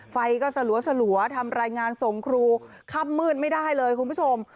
ไฟก็สลัวทำรายงานส่งครูค่ำมืดไม่ได้เลยคุณผู้ชม